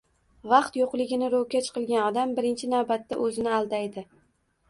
Vaqt yo‘qligini ro‘kach qilgan odam, birinchi navbatda o‘zini aldaydi.